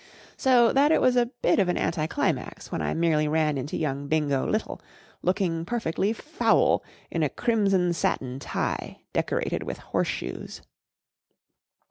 So that it was a bit of an anti¬ climax when I merely ran into young Bingo Little, looking perfectly foul in a crimson satin tie decorated with horseshoes.